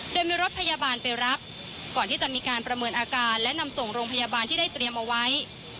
โดยมีรถพยาบาลไปรับก่อนที่จะมีการประเมินอาการและนำส่งโรงพยาบาลที่ได้เตรียมเอาไว้